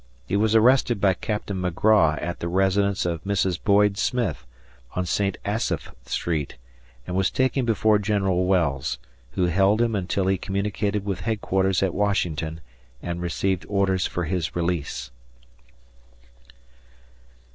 He was arrested by Capt. McGraw at the residence of Mrs. Boyd Smith, on St. Asaph Street, and taken before Genl. Wells, who held him until he communicated with headquarters at Washington and received orders for his release.